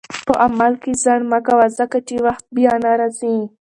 په عمل کې ځنډ مه کوه، ځکه چې وخت بیا نه راځي.